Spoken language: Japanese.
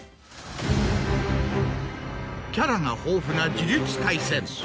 キャラが豊富な『呪術廻戦』。